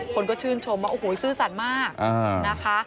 คนก็ชื่นชมว่าโอ้โหซื่อสัตว์มากนะคะ